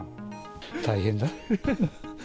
大変だ。